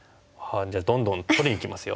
じゃあどんどん取りにいきますよ。